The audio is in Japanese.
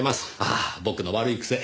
ああ僕の悪い癖。